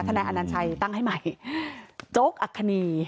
นายอนัญชัยตั้งให้ใหม่โจ๊กอัคคณี